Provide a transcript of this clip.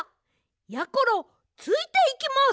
やころついていきます！